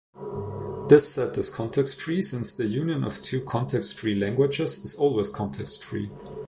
This set is context-free, since the union of two context-free languages is always context-free.